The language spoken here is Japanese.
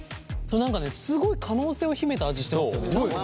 何かねすごい可能性を秘めた味してますよね。